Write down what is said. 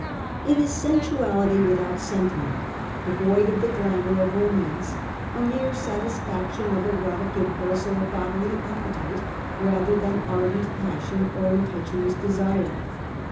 It is sensuality without sentiment, devoid of the glamour of romance ; a mere satisfaction of erotic impulse or bodily appetite rather than ardent passion or impetuous desire.